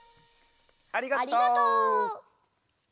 ありがとう！